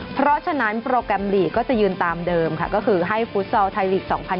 เพราะฉะนั้นโปรแกรมลีกก็จะยืนตามเดิมค่ะก็คือให้ฟุตซอลไทยลีก๒๐๑๖